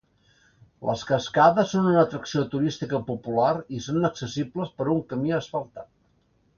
Les cascades són una atracció turística popular i són accessibles per un camí asfaltat.